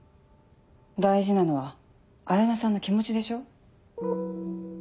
大事なのは彩菜さんの気持ちでしょ？